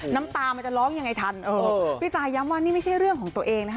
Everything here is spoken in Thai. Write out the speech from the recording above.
น้ำตามันจะร้องยังไงทันเออพี่ซายย้ำว่านี่ไม่ใช่เรื่องของตัวเองนะฮะ